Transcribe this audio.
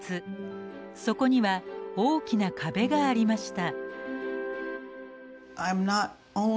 そこには大きな壁がありました。